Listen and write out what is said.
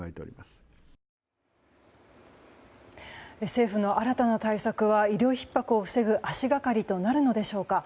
政府の新たな対策は医療ひっ迫を防ぐ足がかりとなるのでしょうか。